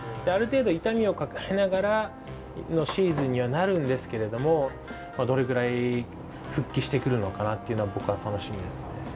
ある程度痛みを抱えながらのシーズンにはなるんですけれどもどれぐらい復帰してくるのかなというのは、僕は楽しみですね。